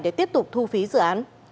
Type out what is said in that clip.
để tiếp tục thu phí dự án